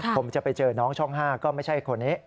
ผมจะไปเจอน้องช่อง๕ก็ไม่ใช่คนนี้